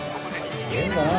すげえんだなぁ。